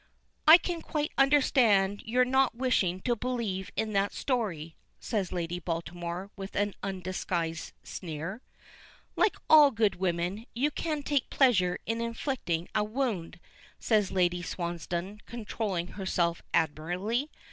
"I can quite understand your not wishing to believe in that story," says Lady Baltimore with an undisguised sneer. "Like all good women, you can take pleasure in inflicting a wound," says Lady Swansdown, controlling herself admirably.